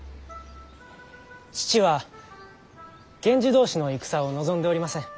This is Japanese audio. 父は源氏同士の戦を望んでおりません。